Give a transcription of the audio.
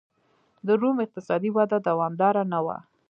د روم اقتصادي وده دوامداره نه وه.